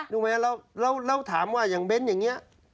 รู้ไหมแล้วถามว่าอย่างเบ้นอย่างนี้